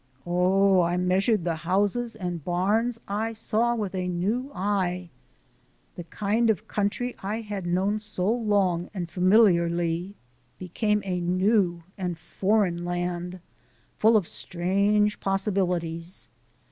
Oh, I measured the houses and barns I saw with a new eye! The kind of country I had known so long and familiarly became a new and foreign land, full of strange possibilities.